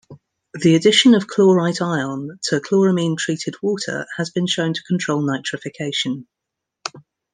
The addition of chlorite ion to chloramine-treated water has been shown to control nitrification.